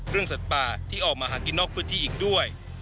สัตว์ป่าที่ออกมาหากินนอกพื้นที่อีกด้วย